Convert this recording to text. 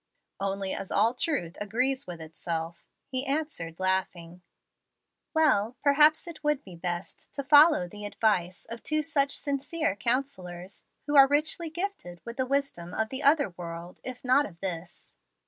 "Only as all truth agrees with itself," he answered, laughing. "Well, perhaps it would be best to follow the advice of two such sincere counsellors, who are richly gifted with the wisdom of the other world, if not of this.